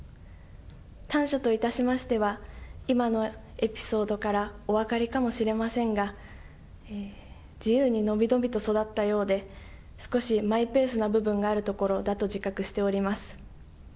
短所といたしましては、今のエピソードからお分かりかもしれませんが、自由に伸び伸びと育ったようで、少しマイペースな部分があるところだと自覚しております。